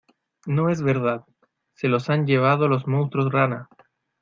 no es verdad. se los han llevado los monstruos rana